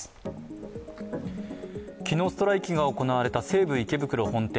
昨日ストライキが行われた西武池袋本店。